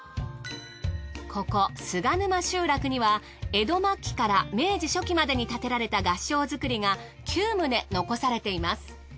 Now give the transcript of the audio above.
ここ菅沼集落には江戸末期から明治初期までに建てられた合掌造りが９棟残されています。